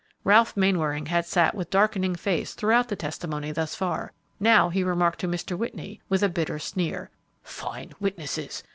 Ralph Mainwaring had sat with darkening face throughout the testimony thus far; now he remarked to Mr. Whitney, with a bitter sneer, "Fine witnesses!